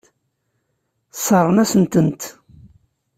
Sseṛɣen-asent-tent.